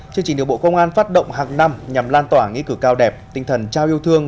chương trình được bộ công an phát động hàng năm nhằm lan tỏa nghi cử cao đẹp tinh thần trao yêu thương